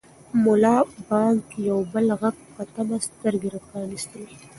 ملا بانګ د یو بل غږ په تمه سترګې پرانیستلې.